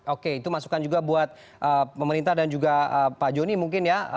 oke itu masukan juga buat pemerintah dan juga pak joni mungkin ya